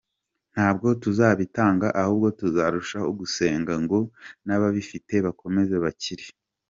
Ntabwo tuzabitanga ahubwo tuzarushaho gusenga ngo n’ababifite bakomeze bakire.